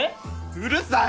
うるさい！